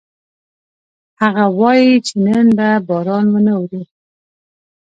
هغه وایي چې نن به باران ونه اوري